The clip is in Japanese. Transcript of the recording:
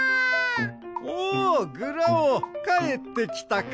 おおグラオかえってきたか。